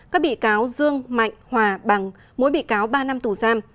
các bị cáo dương mạnh hòa bằng mỗi bị cáo ba năm tù giam